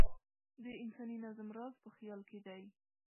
د انساني نظم راز په خیال کې دی.